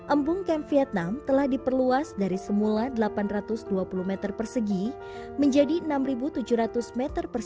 embung kem vietnam telah diperluas dari semula delapan ratus dua puluh m dua menjadi enam tujuh ratus m dua